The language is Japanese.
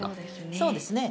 そうですね。